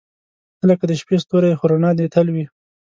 • ته لکه د شپې ستوری، خو رڼا دې تل وي.